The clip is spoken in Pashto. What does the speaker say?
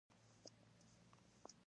هغه خپله توپانچه راوباسله او ګېټ یې کش کړ